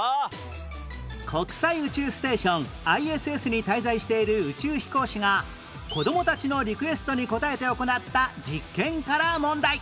国際宇宙ステーション ＩＳＳ に滞在している宇宙飛行士が子どもたちのリクエストに応えて行った実験から問題